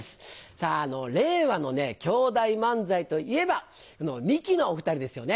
さぁ令和の兄弟漫才といえばミキのお２人ですよね。